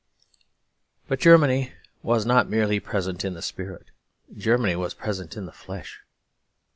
But Germany was not merely present in the spirit: Germany was present in the flesh.